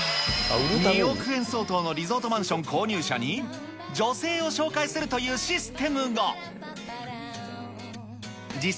２億円相当のリゾートマンション購入者に、女性を紹介するというシステムが。